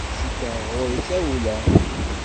Cikkeɣ ɣur-i tawla.